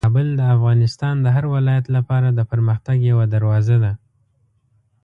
کابل د افغانستان د هر ولایت لپاره د پرمختګ یوه دروازه ده.